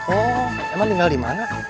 oh emang tinggal di mana